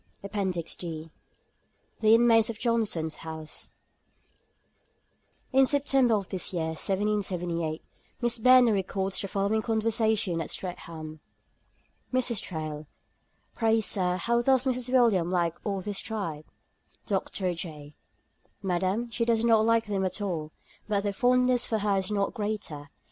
339. APPENDIX D. THE INMATES OF JOHNSON'S HOUSE. (Page 368.) In September of this year (1778) Miss Burney records the following conversation at Streatham: 'MRS. THRALE. "Pray, Sir, how does Mrs. Williams like all this tribe?" DR. J. "Madam, she does not like them at all; but their fondness for her is not greater.